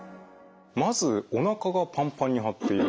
まずおなかがパンパンに張っている。